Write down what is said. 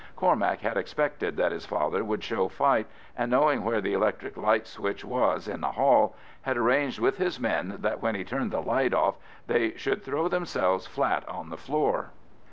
Cormac had expected that his father would show fight, and knowing where the electric light switch was in the hall, had arranged with his men that when he turned the light off they should throw themselves flat on the floor.